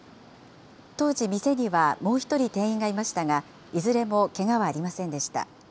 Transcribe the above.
当時、店にはもう１人店員がいましたが、いずれもけがはありませんでした。